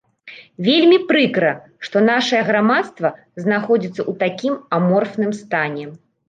Вельмі прыкра, што нашае грамадства знаходзіцца ў такім аморфным стане.